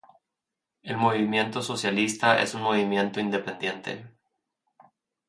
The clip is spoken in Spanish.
El movimiento socialista es un movimiento independiente.